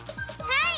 はい！